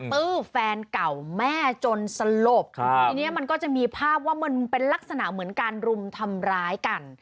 ตื้อแฟนเก่าแม่จนสลบครับทีนี้มันก็จะมีภาพว่ามันเป็นลักษณะเหมือนการรุมทำร้ายกัน